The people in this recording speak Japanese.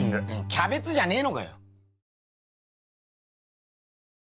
キャベツじゃねえのかよ！